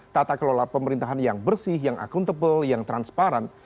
tata kelola pemerintahan yang bersih yang akuntabel yang transparan